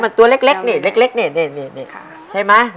มันตัวเล็กเล็กเนี่ยเล็กเล็กเนี่ยเนี่ยเนี่ยค่ะใช่ไหม